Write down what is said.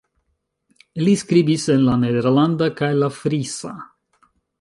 Li skribis en la nederlanda kaj la frisa.